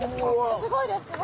すごいです。